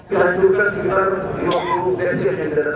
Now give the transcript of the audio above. dijanjurkan sekitar lima puluh sgm yang tidak datang